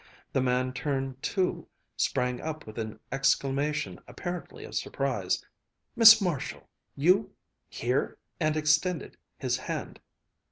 The man turned too, sprang up with an exclamation apparently of surprise, "Miss Marshall, you here!" and extended his hand.